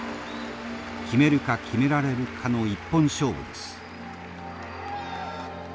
決めるか決められるかの一本勝負です。